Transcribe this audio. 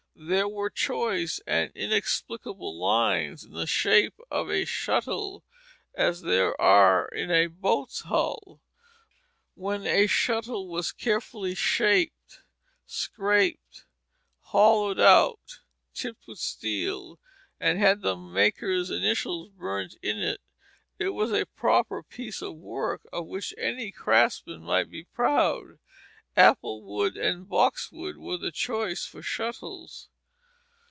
There were choice and inexplicable lines in the shape of a shuttle as there are in a boat's hull. When a shuttle was carefully shaped, scraped, hollowed out, tipped with steel, and had the maker's initials burnt in it, it was a proper piece of work, of which any craftsman might be proud. Apple wood and boxwood were the choice for shuttles.